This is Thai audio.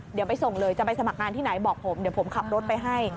เดี๋ยวไปส่งเลยจะไปสมัครงานที่ไหนบอกผมเดี๋ยวผมขับรถไปให้